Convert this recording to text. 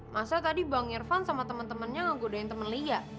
masa tadi bang irvan sama temen temennya ngegodain temen lia